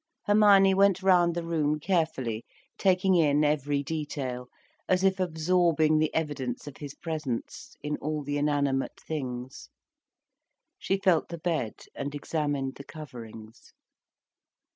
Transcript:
Hermione went round the room carefully, taking in every detail, as if absorbing the evidence of his presence, in all the inanimate things. She felt the bed and examined the coverings.